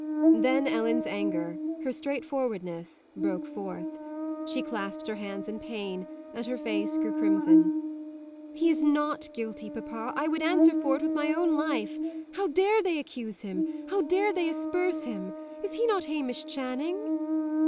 Then Ellen's anger, her straightforwardness, broke forth. She clasped her hands in pain, and her face grew crimson. "He is not guilty, papa. I would answer for it with my own life. How dare they accuse him! how dare they asperse him? Is he not Hamish Channing?"